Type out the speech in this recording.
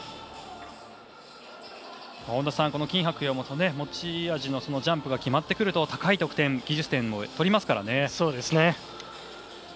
本田さん、金博洋も持ち味のジャンプが決まってくると高い得点技術点を取りますからね。